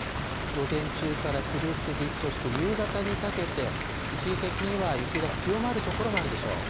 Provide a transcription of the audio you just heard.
午前中から昼過ぎ、そして夕方にかけて、一時的には雪が強まる所もあるでしょう。